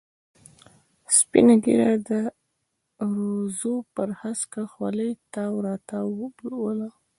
سپینه ږیره، د دروزو پر هسکه خولې تاو را تاو ولونه.